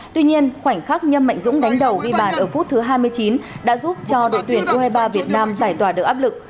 tuy nhiên khoảnh khắc nhâm mạnh dũng đánh đầu ghi bàn ở phút thứ hai mươi chín đã giúp cho đội tuyển u hai mươi ba việt nam giải tỏa được áp lực